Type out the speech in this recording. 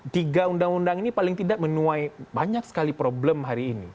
tiga undang undang ini paling tidak menuai banyak sekali problem hari ini